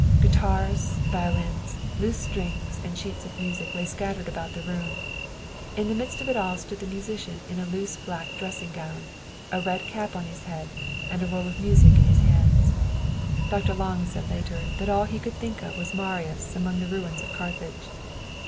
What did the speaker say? Guitars, violins, loose strings, and sheets of music lay scattered about the room. In the midst of it all stood the 112 Wilhelm Hauff musician in a loose black dressing gown, a red cap on his head, and a roll of music in his hands. Dr. Lange said later that all he could think of was Marius amid the ruins, of Carthage.